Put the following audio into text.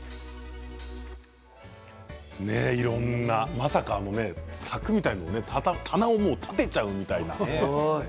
まさか柵みたいなもの棚を立てちゃうみたいなね。